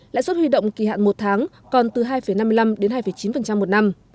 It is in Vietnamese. lãi suất huy động kỳ hạn một tháng còn từ hai năm mươi năm đến hai chín một năm